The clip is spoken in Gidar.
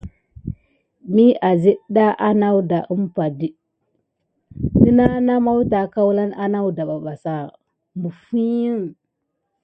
Mi ade əɗɗa aŋ umpa di, nənah na maw tay ulane anawda ɓa. Məfi i.